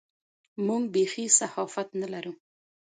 موږ بېخي صحافت نه لرو.